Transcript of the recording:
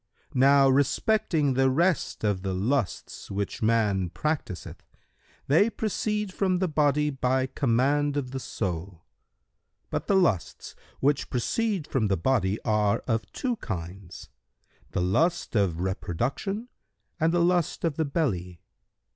Now respecting the rest of the lusts which man practiseth, they proceed from the body by command of the soul. But the lusts which proceed from the body are of two kinds, the lust of reproduction and the lust of the belly.